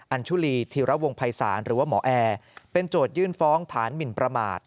ัญชุลีธีระวงภัยศาลหรือว่าหมอแอร์เป็นโจทยื่นฟ้องฐานหมินประมาท